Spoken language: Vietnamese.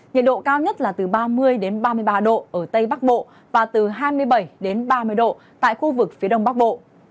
nhiệt độ cao nhất là từ ba mươi ba mươi ba độ ở tây bắc bộ và từ hai mươi bảy ba mươi độ tại khu vực phía đông bắc bộ